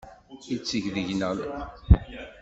Tiziri tḥemmel taẓuri.